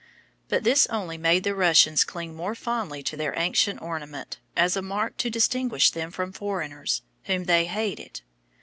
But this only made the Russians cling more fondly to their ancient ornament, as a mark to distinguish them from foreigners, whom they hated.